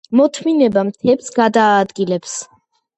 მოთმინება მთებს გადაადგილებს.